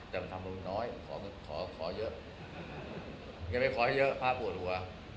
แต่ทำคุณน้อยขอเยอะอย่าไปขอเยอะพระปวดหัว